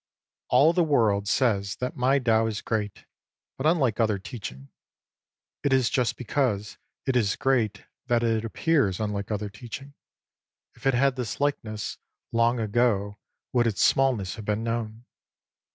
All the world says that my Tao is great, but unlike other teaching. It is just because it is great that it appears unlike other teaching. If it had this likeness, long ago would its smallness have been known.